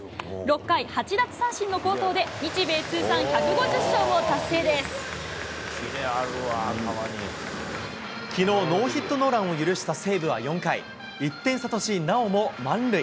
６回８奪三振の好投で、きのう、ノーヒットノーランを許した西武は４回、１点差とし、なおも満塁。